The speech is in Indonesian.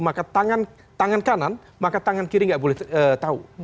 maka tangan kanan maka tangan kiri nggak boleh tahu